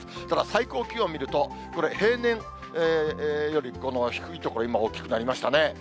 ただ、最高気温見ると、これ、平年より低い所、今大きくなりましたね。